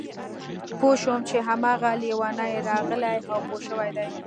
پوه شوم چې هماغه لېونی راغلی او پوه شوی دی